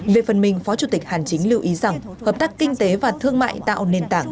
về phần mình phó chủ tịch hàn chính lưu ý rằng hợp tác kinh tế và thương mại tạo nền tảng